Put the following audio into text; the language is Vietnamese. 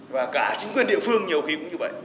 và cả chính quyền địa phương nhiều khi cũng như vậy